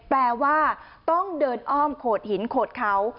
แปลว่าต้องเดินอ้อมโขดหินโขดเขา